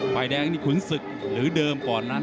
ฝ่ายแดงนี่ขุนศึกหรือเดิมก่อนนั้น